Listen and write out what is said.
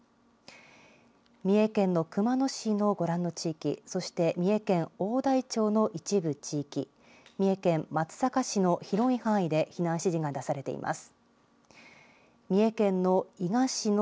三重県の熊野市のご覧の地域、そして三重県大台町の一部地域、三重県松阪市の広い範囲で避難指示が出されています。